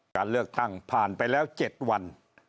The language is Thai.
การเลือกตั้งผ่านไปแล้ว๗วัน